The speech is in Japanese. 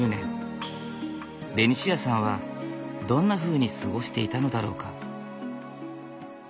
ベニシアさんはどんなふうに過ごしていたのだろうか。